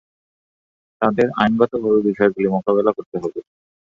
তাদের আইনগতভাবে বিষয়গুলি মোকাবেলা করতে হবে।